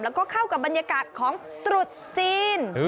แล้วก็เข้ากับบรรยากาศของตรุษจีน